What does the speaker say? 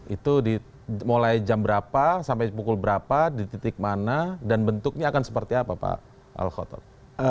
itu dimulai jam berapa sampai pukul berapa di titik mana dan bentuknya akan seperti apa pak al khotot